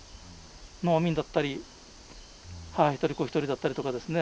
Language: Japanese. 農民だったり母ひとり子ひとりだったりとかですね。